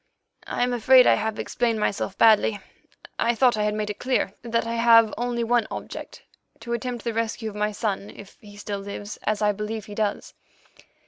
"I am afraid I have explained myself badly. I thought I had made it clear that I have only one object—to attempt the rescue of my son, if he still lives, as I believe he does.